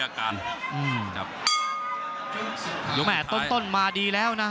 ภูตวรรณสิทธิ์บุญมีน้ำเงิน